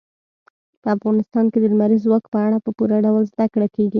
په افغانستان کې د لمریز ځواک په اړه په پوره ډول زده کړه کېږي.